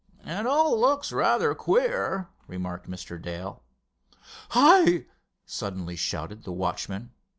"It all looks rather queer," remarked Mr. Dale. "Hi!" suddenly shouted the watchman.